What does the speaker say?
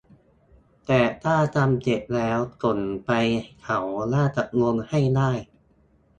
แต่ถ้าทำเสร็จแล้วส่งไปเขาน่าจะลงให้ได้